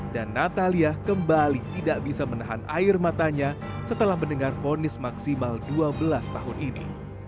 dan natalia kembali tidak bisa menahan air matanya setelah mendengar ponis maksimal dua belas tahun ini